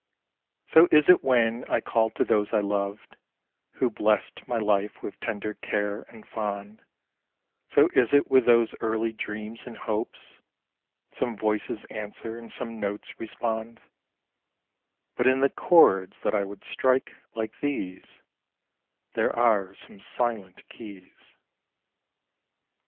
So is it when I call to those I loved, Who blessed my life with tender care and fond: So is it with those early dreams and hopes, Some voices answer and some notes respond, But in the chords that I would strike, like these, There are some silent keys.